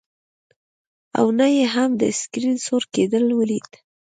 او نه یې هم د سکرین سور کیدل ولیدل